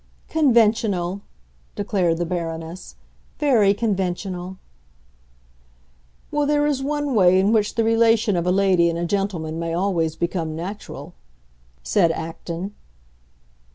"Conventional," declared the Baroness; "very conventional." "Well, there is one way in which the relation of a lady and a gentleman may always become natural," said Acton.